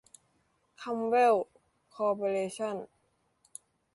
คัมเวล คอร์ปอเรชั่น